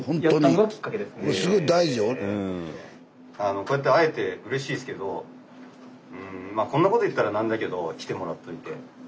こうやって会えてうれしいですけどまあこんなこと言ったら何だけど来てもらっといて。